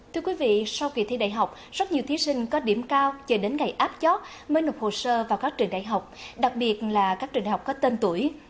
thưa quý vị sau kỳ thi đại học rất nhiều thí sinh có điểm cao chờ đến ngày áp chót mới nộp hồ sơ vào các trường đại học đặc biệt là các trường đại học có tên tuổi